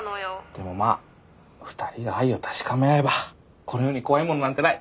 でもまあ２人が愛を確かめ合えばこの世に怖いもんなんてない。